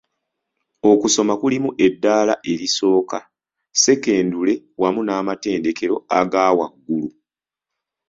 "Okusoma kulimu eddaala erisooka, ssekendule wamu n’amatendekero agaawaggulu."